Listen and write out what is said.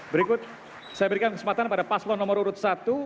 berikut saya berikan kesempatan pada paslon nomor urut satu